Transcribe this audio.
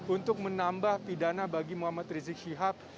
untuk menambah pidana bagi muhammad rizik syihab